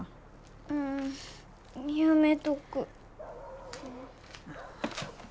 うんやめとく。